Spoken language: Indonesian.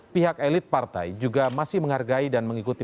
pihak elit partai juga masih menghargai dan mengikuti